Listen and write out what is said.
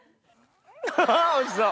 おいしそう！